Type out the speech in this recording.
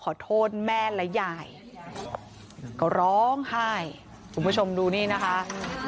ขอโทษแม่และยายก็ร้องไห้คุณผู้ชมดูนี่นะคะ